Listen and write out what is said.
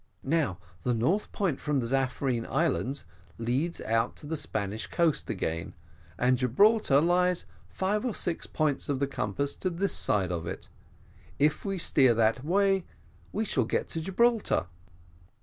Now the north point from the Zaffarine Islands leads out to the Spanish coast again, and Gibraltar lies five or six points of the compass to this side of it if we steer that way we shall get to Gibraltar."